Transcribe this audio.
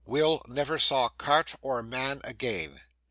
Will never saw cart or man again.